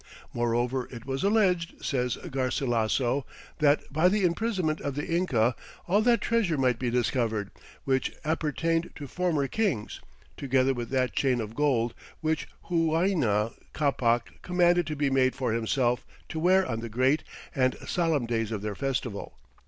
"Moreover it was alledged," says Garcilasso .... "That by the Imprisonment of the Inca, all that Treasure might be discovered, which appertained to former kings, together with that Chain of Gold, which Huayna Capac commanded to be made for himself to wear on the great and solemn days of their Festival"!